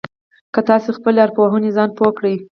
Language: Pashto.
که تاسې په خپلې ارواپوهنې ځان پوه کړئ.